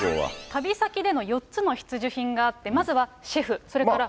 旅先での４つの必需品があって、まずはシェフ、それから。